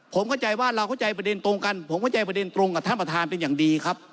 ผมเข้าใจว่าเราเข้าใจประเด็นตรงกันผมเข้าใจประเด็นตรงกับท่านประธานเป็นอย่างดีครับ